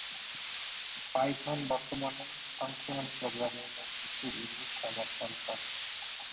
Python বর্তমানে functional programming এর কিছু জিনিস সমর্থন করে।